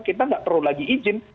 kita nggak perlu lagi izin